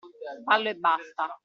Fallo e basta!